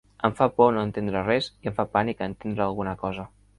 Em fa por no entendre res i em fa pànic entendre alguna cosa.